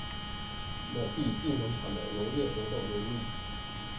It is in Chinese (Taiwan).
某地一農場的農業活動年曆